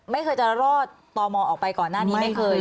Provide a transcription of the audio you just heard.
ไม่เคยจะรอดต่อมอออกไปก่อนหน้านี้ไม่เคย